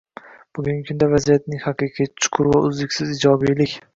Bugungi kunda vaziyatning haqiqiy, chuqur va uzluksiz ijobiylik